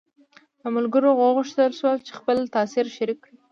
له ملګرو وغوښتل شول چې خپل تاثر شریک کړي.